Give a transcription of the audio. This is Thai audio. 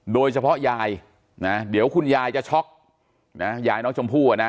โดยเฉพาะยายนะเดี๋ยวคุณยายจะช็อกนะยายน้องชมพู่อ่ะนะ